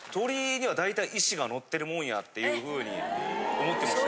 もんやっていうふうに思ってました。